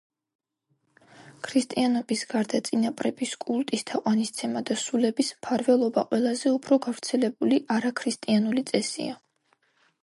ქრისტიანობის გარდა, წინაპრების კულტის თაყვანისცემა და სულების მფარველობა ყველაზე უფრო გავრცელებული არაქრისტიანული წესია.